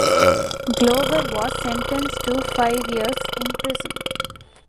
Glover was sentenced to five years in prison.